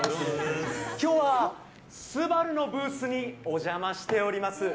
今日はＳＵＢＡＲＵのブースにお邪魔しております。